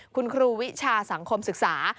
คุณครูวิชาสังคมศึกษา